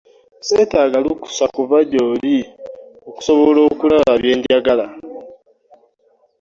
Sseetaaga lukusa kuva gy'oli okusobola okulaba bye njagala.